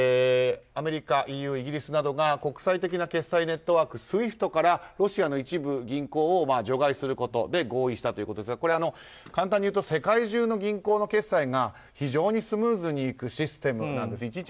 アメリカ、ＥＵ、イギリスなどが国際的な決済ネットワークＳＷＩＦＴからロシアの一部銀行を除外することで合意したということですがこれ、簡単に言うと世界中の銀行の決算が非常にスムーズにいくシステムなんです。